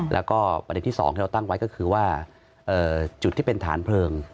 แล้วก็ประเด็นที่๒ที่เราตั้งไว้ก็คือว่าจุดที่เป็นฐานเพลิง